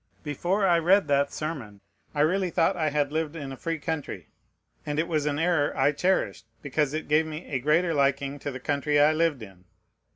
Before I read that sermon, I really thought I had lived in a free country; and it was an error I cherished, because it gave me a greater liking to the country I lived in.